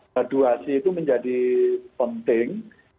valuasi itu menjadi penting